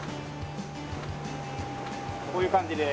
こういう感じで。